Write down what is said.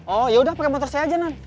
oh yaudah pakai motor saya aja nanti